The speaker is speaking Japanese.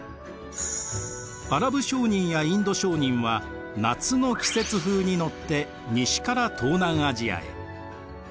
アラブ商人やインド商人は夏の季節風に乗って西から東南アジアへ。